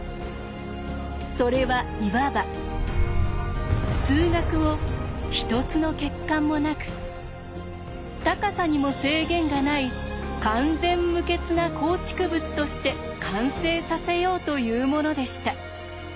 それはいわば数学を一つの欠陥もなく高さにも制限がない完全無欠な構築物として完成させようというものでした。